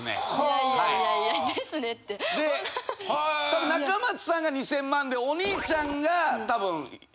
たぶん中町さんが２０００万でお兄ちゃんがたぶん。